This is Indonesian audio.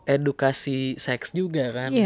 edukasi seks juga kan